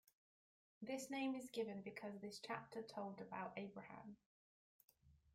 This name is given because this chapter told about Abraham.